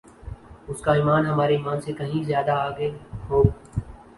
اس کا ایمان ہمارے ایمان سے کہین زیادہ آگے ہو